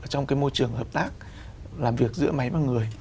trong cái môi trường hợp tác làm việc giữa máy và người